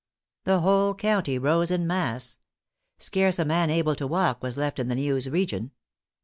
The whole county rose in mass; scarce a man able to walk was left in the Neuse region.